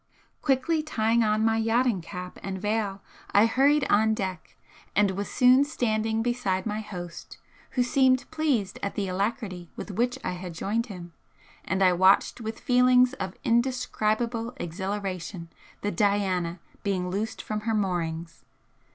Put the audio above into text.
Quickly tying on my yachting cap and veil, I hurried on deck, and was soon standing beside my host, who seemed pleased at the alacrity with which I had joined him, and I watched with feelings of indescribable exhilaration the 'Diana' being loosed from her moorings.